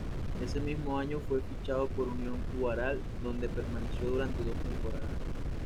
Ese mismo año fue fichado por Unión Huaral donde permaneció durante dos temporadas.